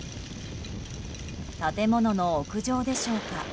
建物の屋上でしょうか。